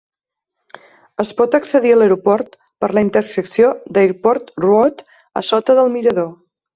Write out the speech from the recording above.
Es pot accedir a l'aeroport per la intersecció d'Airport Road a sota del mirador.